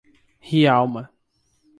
Rialma